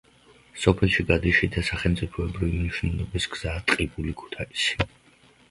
სოფელში გადის შიდასახელმწიფოებრივი მნიშვნელობის გზა ტყიბული-ქუთაისი.